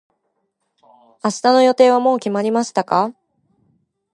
明日の予定はもう決まりましたか。